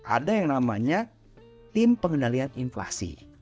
ada yang namanya tim pengendalian inflasi